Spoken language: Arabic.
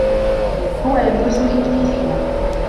هو يدرس الإنجليزيّة.